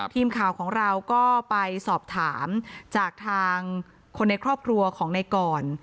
ทีมข่าวของเราก็ไปสอบถามจากทางคนในครอบครัวของในกร